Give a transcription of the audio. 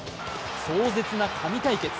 壮絶な神対決。